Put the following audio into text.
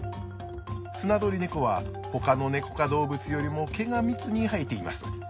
スナドリネコはほかのネコ科動物よりも毛が密に生えています。